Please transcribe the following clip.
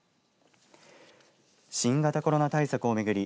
新型コロナ対策を巡り